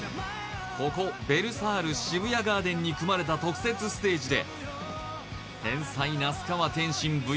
ここベルサール渋谷ガーデンに組まれた特設ステージで天才・那須川天心ｖｓ